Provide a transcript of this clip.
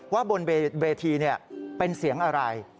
บนเวทีเป็นเสียงอะไร